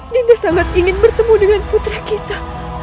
dia sangat ingin bertemu dengan putra kita